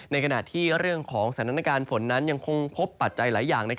ในขณะที่เรื่องของสถานการณ์ฝนนั้นยังคงพบปัจจัยหลายอย่าง